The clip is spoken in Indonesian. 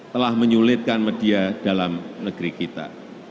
telah menyulitkan media dalam negeri kita